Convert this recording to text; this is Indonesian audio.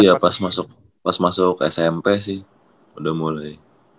iya pas masuk smp sih udah mulai